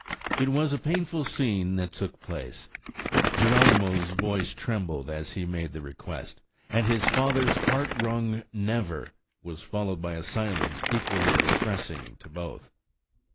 It was a painful scene that took place; Geronimo's voice trembled as he made the request, and his father's heart wrung "Never!" was followed by a silence equally distressing to both.